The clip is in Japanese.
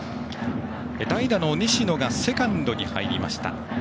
代打の西野がセカンドに入りました。